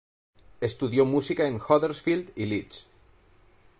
Estudió música en Huddersfield y Leeds.